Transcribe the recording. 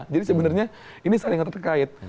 jadi sebenarnya ini saling terkait